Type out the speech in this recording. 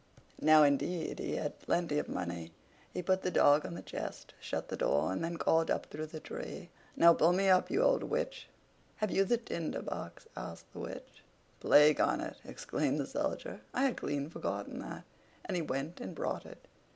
Now indeed he had plenty of money. He put the dog on the chest shut the door, and then called up through the tree: "Now pull me up, you old Witch!" "Have you the Tinder box?" asked the Witch. "Plague on it!" exclaimed the Soldier, "I had clean forgotten that." And he went and brought it.